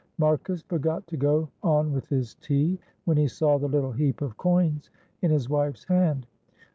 Marcus forgot to go on with his tea when he saw the little heap of coins in his wife's hand.